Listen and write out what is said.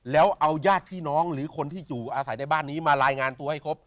แล้วเอาญาติพี่น้องหรือคนที่อยู่อาศัยในบ้านนี้มารายงานตัวให้ครบ